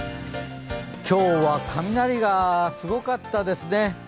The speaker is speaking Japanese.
今日は雷がすごかったですね。